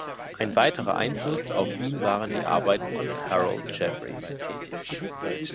Ein weiterer Einfluss auf ihn waren die Arbeiten von Harold Jeffreys.